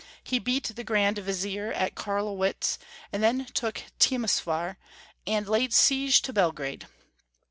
He beat the Grand Vizier at Carlowitz, and then took Temeswar, and laid siege to Belgrade.